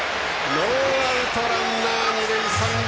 ノーアウト、ランナー、二塁三塁。